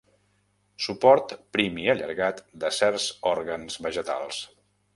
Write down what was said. Suport prim i allargat de certs òrgans vegetals.